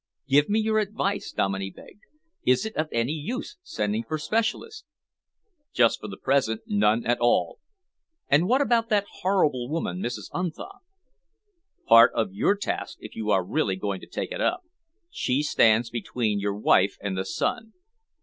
"Give me your advice," Dominey begged. "Is it of any use sending for specialists?" "Just for the present, none at all." "And what about that horrible woman, Mrs. Unthank?" "Part of your task, if you are really going to take it up. She stands between your wife and the sun."